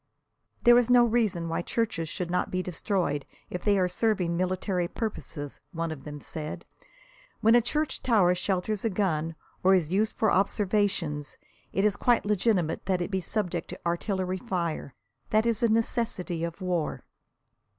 "There is no reason why churches should not be destroyed if they are serving military purposes," one of them said. "When a church tower shelters a gun, or is used for observations, it is quite legitimate that it be subject to artillery fire. That is a necessity of war."